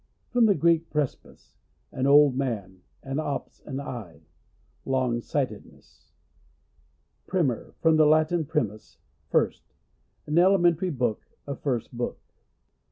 — From the Greek, pres bus, an old man, and ops, an eye — Longsightedness. Primer. — From the Latin, primus, first. An elementary book — a first book.